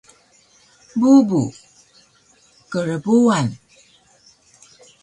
Bubu: Krbuan!